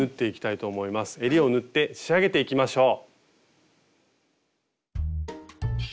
えりを縫って仕上げていきましょう。